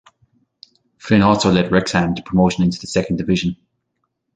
Flynn also led Wrexham to promotion into the second division.